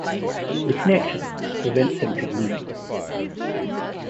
The 'connection' prevents him from leaving.